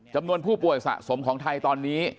จำนวนผู้ป่วยสะสมของไทยตอนนี้